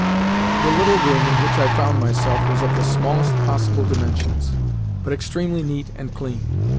The little room in which I found myself was of the smallest possible dimensions, but extremely neat and clean.